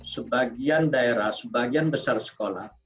sebagian daerah sebagian besar sekolah